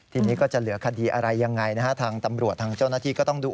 ทีนี้ก็จะเหลือคดีอะไรยังไงนะฮะทางตำรวจทางเจ้าหน้าที่ก็ต้องดู